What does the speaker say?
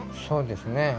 そうですね。